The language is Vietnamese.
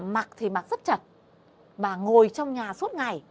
mặc thì mặc rất chặt và ngồi trong nhà suốt ngày